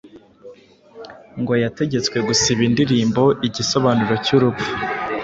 Ngo yategetswe gusiba indirimbo 'Igisobanuro cy'urupfu'